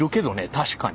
確かに。